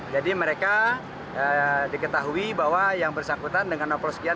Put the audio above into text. jadi mereka diketahui bahwa yang bersangkutan dengan enam puluh sekian